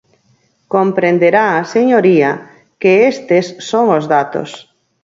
Comprenderá, señoría, que estes son os datos.